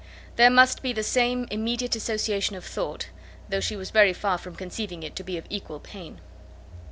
There must be the same immediate association of thought, though she was very far from conceiving it to be of equal pain.